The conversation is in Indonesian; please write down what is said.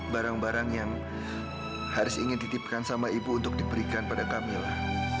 barang barang yang harus ingin dititipkan sama ibu untuk diberikan pada kami lah